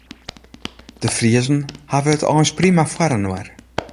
De Friezen hawwe it eins prima foar inoar.